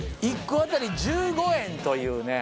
１個当たり１５円というね。